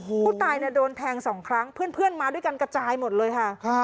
ผู้ตายน่ะโดนแทงสองครั้งเพื่อนเพื่อนมาด้วยกันกระจายหมดเลยค่ะครับ